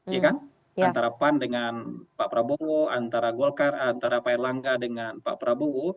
ya kan antara pan dengan pak prabowo antara golkar antara pak erlangga dengan pak prabowo